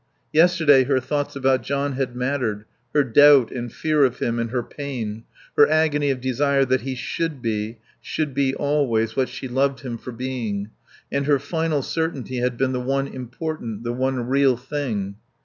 Yesterday her thoughts about John had mattered, her doubt and fear of him and her pain; her agony of desire that he should be, should be always, what she loved him for being; and her final certainty had been the one important, the one real thing.